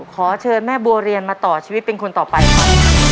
ขอเชิญแม่บัวเรียนมาต่อชีวิตเป็นคนต่อไปครับ